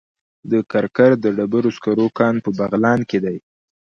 د کرکر د ډبرو سکرو کان په بغلان کې دی.